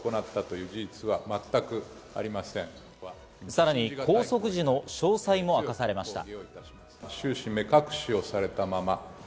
さらに拘束時の詳細も明かされました。